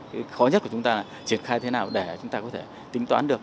cái khó nhất của chúng ta là triển khai thế nào để chúng ta có thể tính toán được